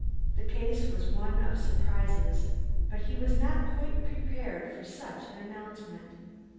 The case was one of surprises, but he was not quite prepared for such an announcement.